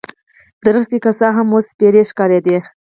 ونې که څه هم، اوس سپیرې ښکارېدې.